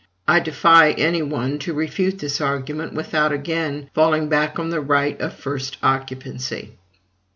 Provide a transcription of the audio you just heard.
I defy any one to refute this argument, without again falling back on the right of first occupancy.